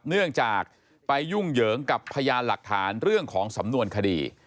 เนื่องจากไปยุ่งเหยิงกับพยานหลักฐานเรื่องของสำนวนคดี